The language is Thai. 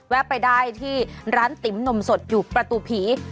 ไปได้ที่ร้านติ๋มนมสดอยู่ประตูผี